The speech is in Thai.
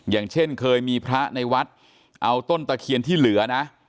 อย่างเช่นเคยมีพระในวัดเอาต้นตะเคียนที่เหลือนะ